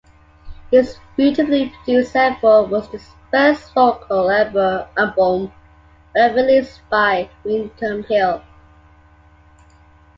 This beautifully produced effort was the first vocal album ever released by Windham Hill.